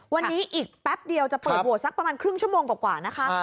วันนี้อีกแป๊บเดียวจะเปิดโหวตสักประมาณครึ่งชั่วโมงกว่านะคะ